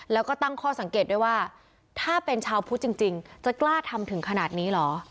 แล้วก็ตั้งข้อสังเกตด้วยว่าถ้าเป็นชาวพุทธจริงจะกล้าทำถึงขนาดนี้เหรอ